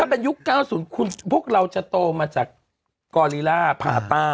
เป็นยุค๙๐คุณพวกเราจะโตมาจากกอลีล่าพาต้า